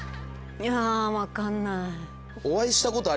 いや分かんない。